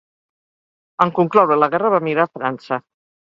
En concloure la guerra va emigrar a França.